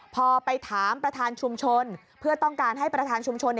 พอไปถามประธานชุมชนเพื่อต้องการให้ประธานชุมชน